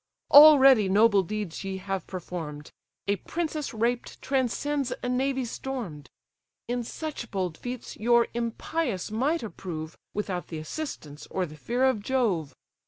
Already noble deeds ye have perform'd; A princess raped transcends a navy storm'd: In such bold feats your impious might approve, Without th' assistance, or the fear of Jove.